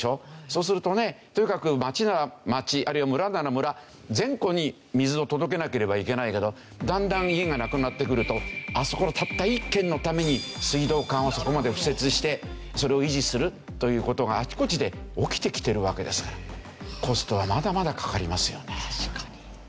そうするとねとにかく町なら町あるいは村なら村全戸に水を届けなければいけないけどだんだん家がなくなってくるとあそこのたった一軒のために水道管をそこまで敷設してそれを維持するという事があちこちで起きてきてるわけですからコストはまだまだかかりますよね。